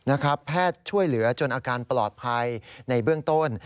แพทย์ช่วยเหลือจนอาการปลอดภัยในเบื้องต้น